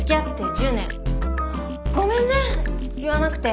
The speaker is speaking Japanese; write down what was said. ごめんね言わなくて。